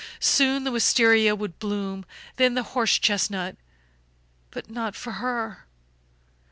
Soon the wistaria would bloom, then the horse chestnut; but not for her.